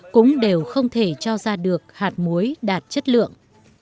cũng đều không thể cho ra được hạt muối đạt chất lượng